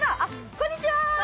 こんにちは。